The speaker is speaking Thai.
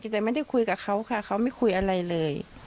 แต่ไม่ได้คุยกับเขาค่ะเขาไม่คุยอะไรเลย